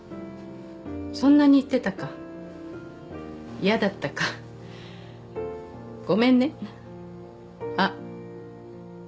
そんなに言ってたか嫌だったかごめんねあっ